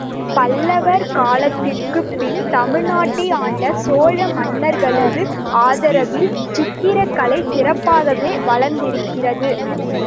பல்லவர் காலத்துக்குப்பின் தமிழ்நாட்டை ஆண்ட சோழ மன்னர்களது ஆதரவில் சித்திரக் கலை சிறப்பாகவே வளர்ந்திருக்கிறது.